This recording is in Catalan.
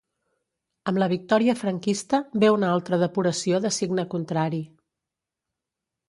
Amb la victòria franquista ve una altra depuració de signe contrari.